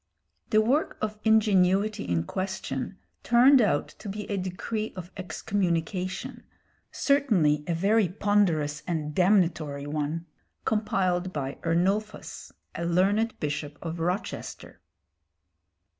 The work of ingenuity in question turned out to be a decree of excommunication, certainly a very ponderous and damnatory one, compiled by Ernulphus, a learned bishop of Rochester.